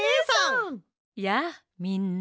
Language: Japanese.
やあみんな。